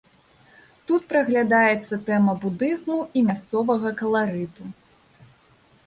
Тут праглядаецца тэма будызму і мясцовага каларыту.